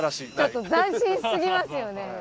ちょっと斬新すぎますよね。